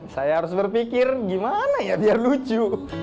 saya harus berpikir gimana ya biar lucu